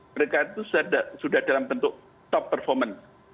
mereka itu sudah dalam bentuk top performance